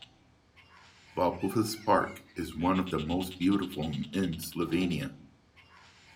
Valpovo's park is one of the most beautiful in Slavonia.